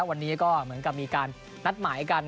วันนี้ก็เหมือนกับมีการนัดหมายกัน